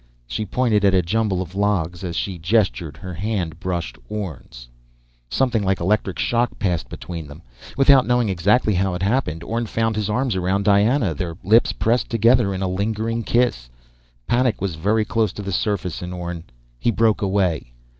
She pointed at a jumble of logs. As she gestured, her hand brushed Orne's. Something like an electric shock passed between them. Without knowing exactly how it happened, Orne found his arms around Diana, their lips pressed together in a lingering kiss. Panic was very close to the surface in Orne. He broke away.